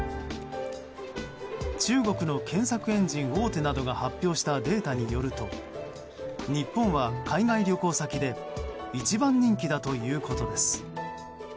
中国の検索エンジン大手などが発表したデータによると日本は海外旅行先で一番人気だということです。